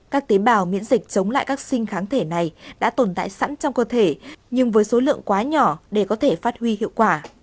các tế bào miễn dịch chống lại các sinh kháng thể này đã tồn tại sẵn trong cơ thể nhưng với số lượng quá nhỏ để có thể phát huy hiệu quả